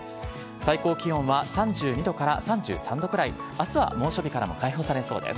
最高気温は３２度から３３度くらい、あすは猛暑日からも解放されそうです。